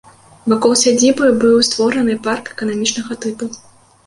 Вакол сядзібы быў створаны парк эканамічнага тыпу.